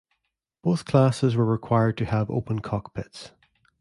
Both classes were required to have open cockpits.